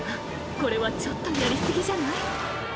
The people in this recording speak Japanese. これはちょっとやり過ぎじゃない？